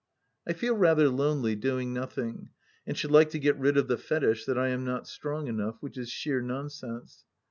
I feel rather lonely, doing nothing, and should like to get rid of the fetish that I am not strong enough, which is sheer nonsense.